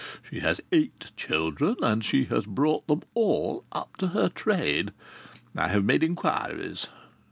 She has eight children, and she has brought them all up to her trade. I have made inquiries.